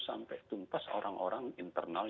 sampai tumpas orang orang internal